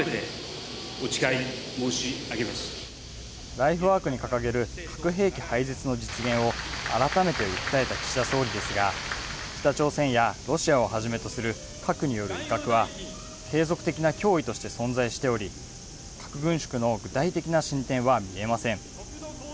ライフワークに掲げる核兵器廃絶の実現を改めて訴えた岸田総理ですが、北朝鮮やロシアをはじめとする核による威嚇は、継続的な脅威として存在しており、核軍縮の具体的な進展は見えません。